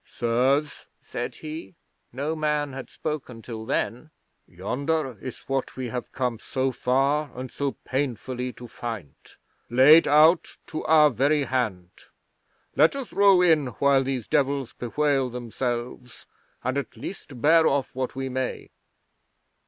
"Sirs," said he (no man had spoken till then), "yonder is what we have come so far and so painfully to find, laid out to our very hand. Let us row in while these Devils bewail themselves, and at least bear off what we may."